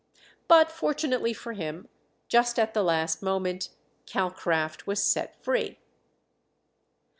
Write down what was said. But, fortunately for him, just at the last moment Calcraft was set free.